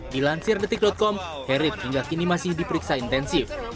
dilansir detik com herit hingga kini masih diperiksa intensif